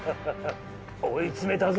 追い詰めたぞ。